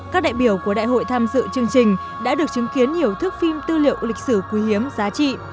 các đại biểu của đại hội tham dự chương trình đã được chứng kiến nhiều thước phim tư liệu lịch sử quý hiếm giá trị